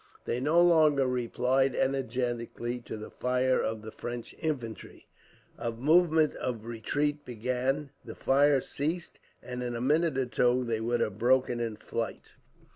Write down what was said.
They no longer replied energetically to the fire of the French infantry. A movement of retreat began, the fire ceased, and in a minute or two they would have broken in flight.